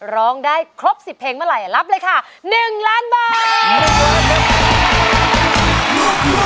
ร้องได้ครบ๑๐เพลงเมื่อไหร่รับเลยค่ะ๑ล้านบาท